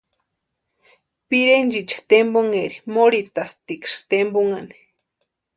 Pirentsïcha tempunheri morhitatʼiksï tempunhani.